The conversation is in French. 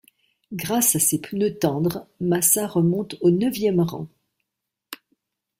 Grâce à ses pneus tendres, Massa remonte au neuvième rang.